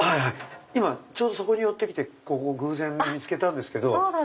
今ちょうどそこに寄ってきてここ偶然見つけたんですけど。